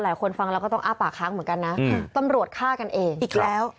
ฟังแล้วก็ต้องอ้าปากค้างเหมือนกันนะตำรวจฆ่ากันเองอีกแล้ว